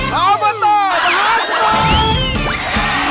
แล้วมาต่อมหาสมอง